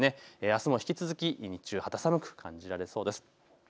あすも引き続き日中は肌寒く感じられそうです。